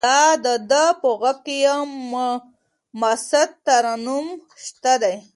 د ده په غږ کې یو مست ترنم شته دی.